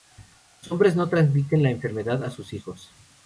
Los hombres no transmiten la enfermedad a sus hijos.